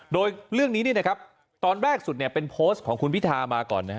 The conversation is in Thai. โดยเรื่องนี้ตอนแรกสุดเป็นโพสต์ของคุณพิธามาก่อนนะฮะ